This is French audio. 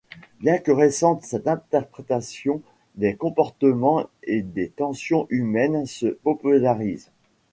Bien que récente, cette interprétation des comportements et des tensions humaines se popularise.